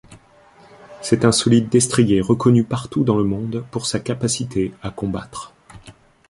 C'est un solide destrier reconnu partout dans le monde pour sa capacité à combattre.